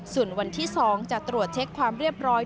ส่วนวันที่๒จะตรวจเช็คความเรียบร้อย